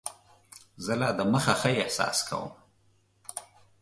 زه لا دمخه ښه احساس کوم.